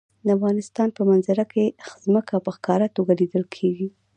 د افغانستان په منظره کې ځمکه په ښکاره توګه لیدل کېږي.